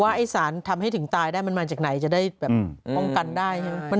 ไอ้สารทำให้ถึงตายได้มันมาจากไหนจะได้แบบป้องกันได้ใช่ไหม